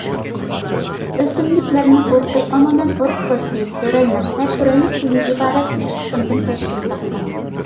ئۆسۈملۈكلەرنىڭ ئۇرۇقى ئومۇمەن ئۇرۇق پوستى، تۆرەلمە ۋە تۆرەلمە سۈتىدىن ئىبارەت ئۈچ قىسىمدىن تەشكىل تاپقان.